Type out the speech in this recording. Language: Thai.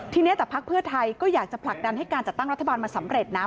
ทีนี้แต่พักเพื่อไทยก็อยากจะผลักดันให้การจัดตั้งรัฐบาลมาสำเร็จนะ